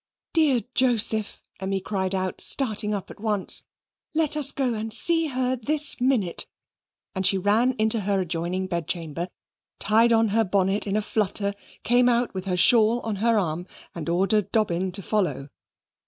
"Dear Joseph," Emmy cried out, starting up at once, "let us go and see her this minute." And she ran into her adjoining bedchamber, tied on her bonnet in a flutter, came out with her shawl on her arm, and ordered Dobbin to follow.